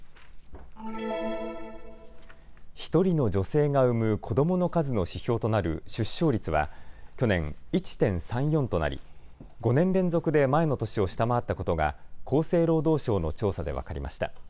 １人の女性が産む子どもの数の指標となる出生率は去年、１．３４となり５年連続で前の年を下回ったことが厚生労働省の調査で分かりました。